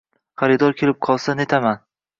Xaridor kelib qolsa netaman